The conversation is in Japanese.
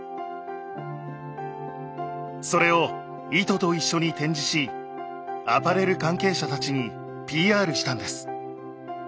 それを糸と一緒に展示しアパレル関係者たちにＰＲしたんです。